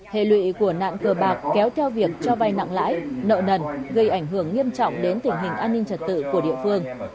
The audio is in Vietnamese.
hệ lụy của nạn cờ bạc kéo theo việc cho vai nặng lãi nợ nần gây ảnh hưởng nghiêm trọng đến tình hình an ninh trật tự của địa phương